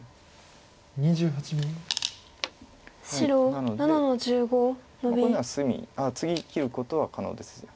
なのでこれなら隅次切ることは可能です。